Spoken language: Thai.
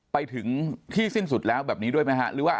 ไปถึงที่สิ้นสุดแล้วด้วยหรือว่า